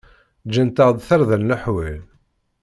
Ǧǧan-aɣ-d tarda n leḥwal.